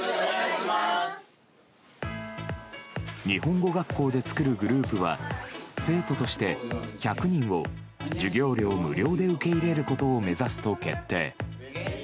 日本語学校で作るグループは生徒として１００人を授業料無料で受け入れることを目指すと決定。